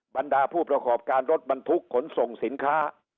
บรรดาผู้ประกอบการรถบรรทุกขนส่งสินค้า